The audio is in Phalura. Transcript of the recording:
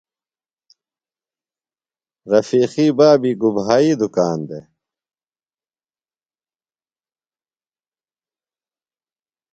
رفیقی بابی گُبھائی دُکان دےۡ؟